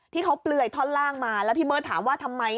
ที่เขาเปลือยท่อนล่างมาแล้วพี่เบิร์ตถามว่าทำไม